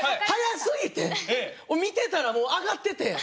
速すぎて見てたらもう上がってて。